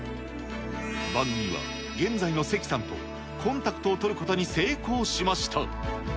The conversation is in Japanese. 番組は現在の関さんと、コンタクトを取ることに成功しました。